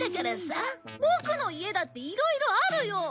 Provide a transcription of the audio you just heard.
ボクの家だっていろいろあるよ！